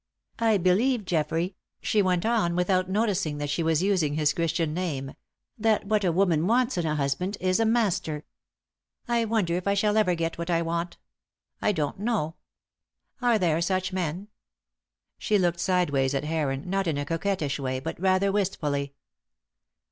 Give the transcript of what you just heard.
I believe, Geoffrey," she went on without noticing that she was using his Christian name, that what a woman wants in a husband is a master. "I wonder if I shall ever get what I want? I don't know. Are there such men?" She looked sideways at Heron, not in a coquettish way, but rather wistfully.